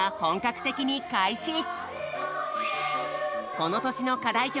この年の課題曲